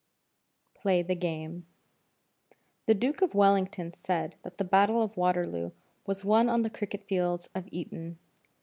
PLAY THE GAME The Duke of Wellington said that the battle of Waterloo was won on the cricket fields of Eton.